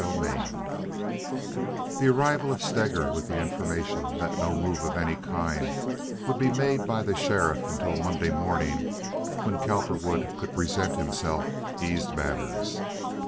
Chapter L The arrival of Steger with the information that no move of any kind would be made by the sheriff until Monday morning, when Cowperwood could present himself, eased matters.